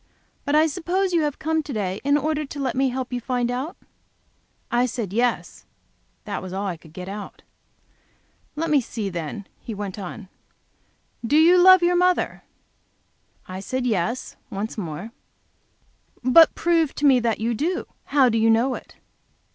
But I suppose you have come here to day in order to let me help you to find out?" I said, "Yes"; that was all I could get out. "Let me see, then," he went on. "Do you love your mother?" I said "Yes," once more. "But prove to me that you do. How do you know it?"